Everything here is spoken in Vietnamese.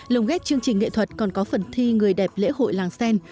lồng ghép chương trình nghệ thuật còn có phần thi người đẹp lễ hội làng sen